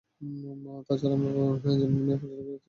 তাছাড়া, আমি যেমন মেয়ে পছন্দ করি তুমি তেমনটা নও।